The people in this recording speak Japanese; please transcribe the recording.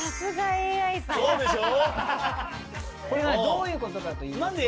どういうことかといいますと。